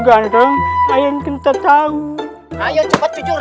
ayo cepat jujur